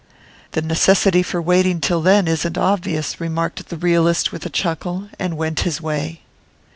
'The necessity for waiting till then isn't obvious,' remarked the realist with a chuckle, and went his way.